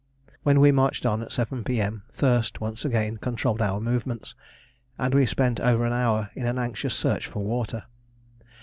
When we marched on at 7 P.M., thirst once again controlled our movements, and we spent over an hour in an anxious search for water.